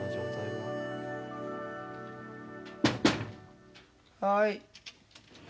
はい。